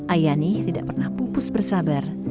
ayani tidak pernah pupus bersabar